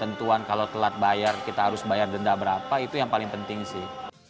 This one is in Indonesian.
tentuan kalau telat bayar kita harus bayar denda berapa itu yang paling penting sih